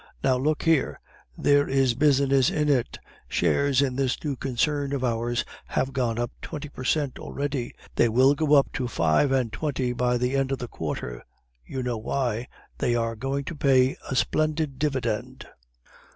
Now, look here. There is business in it. Shares in this new concern of ours have gone up twenty per cent already; they will go up to five and twenty by the end of the quarter; you know why. They are going to pay a splendid dividend.